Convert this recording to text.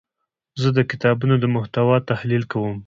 زه د کتابونو د محتوا تحلیل کوم.